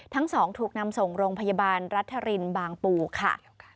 ทั้งสองถูกนำส่งโรงพยาบาลรัฐรินบางปูค่ะ